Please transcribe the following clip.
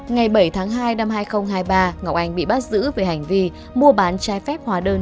ngày bảy tháng hai năm hai nghìn hai mươi ba ngọc anh bị bắt giữ về hành vi mua bán trái phép hóa đơn